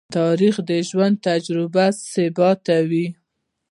تاریخ د ژوند تجربې ثبتوي.